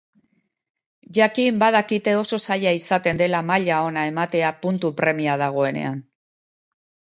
Jakin badakite oso zaila izaten dela maila ona ematea puntu premia dagoenean.